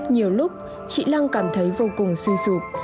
nhiều lúc chị lăng cảm thấy vô cùng suy sụp